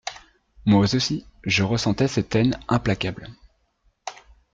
Moi aussi, je ressentais cette haine implacable.